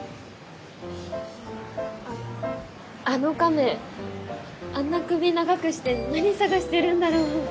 あっあの亀あんな首長くして何探してるんだろう？